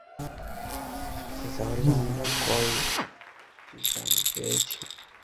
আচ্ছা, তাহলে আমরা কয় জীবন পেয়েছি?